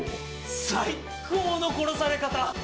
最高の殺され方。